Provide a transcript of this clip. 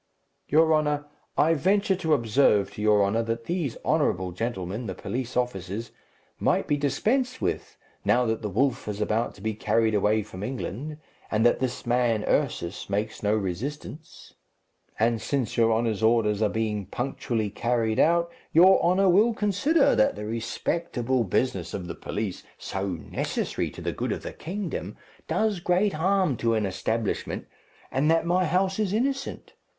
"Your honour, I venture to observe to your honour that these honourable gentlemen, the police officers, might be dispensed with, now that the wolf is about to be carried away from England, and that this man, Ursus, makes no resistance; and since your honour's orders are being punctually carried out, your honour will consider that the respectable business of the police, so necessary to the good of the kingdom, does great harm to an establishment, and that my house is innocent.